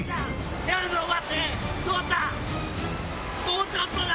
もうちょっとだ！